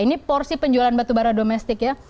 ini porsi penjualan batubara domestik ya